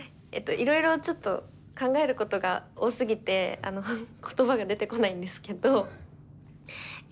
いろいろちょっと考えることが多すぎてあの言葉が出てこないんですけどえ